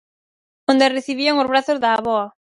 Onde a recibían os brazos da avoa.